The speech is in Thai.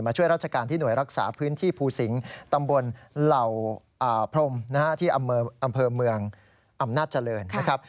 ช่วยราชการที่หน่วยรักษาพื้นที่ภูสิงศ์ตำบลเหล่าพรมที่อำเภอเมืองอำนาจเจริญนะครับ